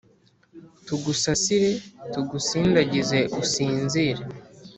Tugusasire tugusindagize usinzire